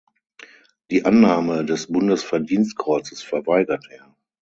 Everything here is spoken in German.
Die Annahme des Bundesverdienstkreuzes verweigert er.